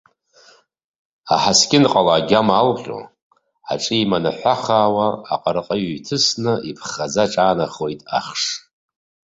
Аҳаскьын-ҟала агьама алҟьо, аҿы еиманаҳәахуа, аҟырҟы иҩҭысны иԥхаӡа аҿынанахоит ахш.